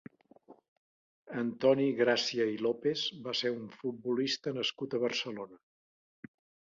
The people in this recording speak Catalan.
Antoni Gràcia i López va ser un futbolista nascut a Barcelona.